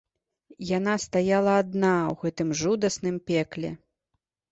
Яна стаяла адна ў гэтым жудасным пекле.